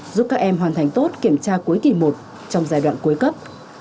giúp các em hoàn thành tốt kiểm tra cuối kỳ một trong giai đoạn cuối cấp